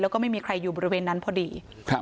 แล้วก็ไม่มีใครอยู่บริเวณนั้นพอดี